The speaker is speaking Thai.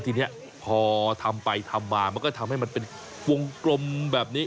ทีนี้พอทำไปทำมามันก็ทำให้มันเป็นวงกลมแบบนี้